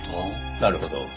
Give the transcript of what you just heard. なるほど。